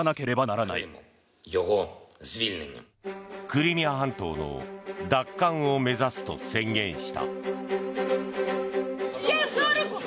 クリミア半島の奪還を目指すと宣言した。